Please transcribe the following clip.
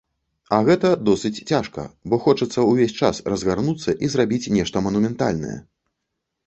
А гэта досыць цяжка, бо хочацца ўвесь час разгарнуцца і зрабіць нешта манументальнае.